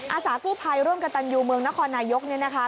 อาสากู้ภัยร่วมกับตันยูเมืองนครนายกเนี่ยนะคะ